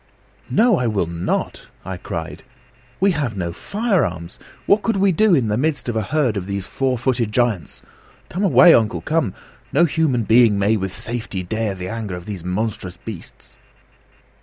"No, I will not!" I cried. "We have no firearms. What could we do in the midst of a herd of these four footed giants? Come away, uncle come! No human being may with safety dare the anger of these monstrous beasts."